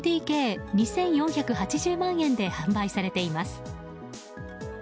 ３ＬＤＫ２４８０万円で販売されています。